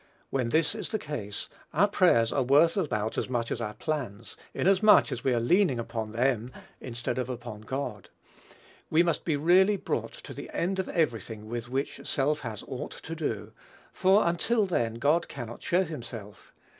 When this is the case, our prayers are worth about as much as our plans, inasmuch as we are leaning upon them instead of upon God. We must be really brought to the end of every thing with which self has aught to do; for until then, God cannot show himself.